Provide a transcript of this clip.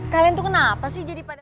kalian tuh kenapa sih jadi pada